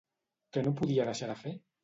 Què no podia deixar de fer?